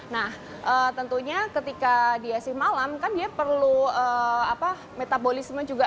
nah tentunya ketika dia si malam kan dia perlu metabolisme juga